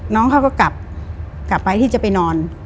น้องก็กลับไปที่จะไปนอน